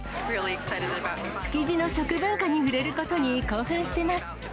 築地の食文化に触れることに興奮してます。